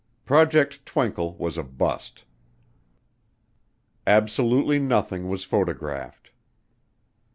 Project Twinkle was a bust. Absolutely nothing was photographed.